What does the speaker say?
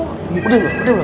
udah lu udah lu